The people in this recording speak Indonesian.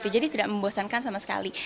jadi tidak membosankan sama sekali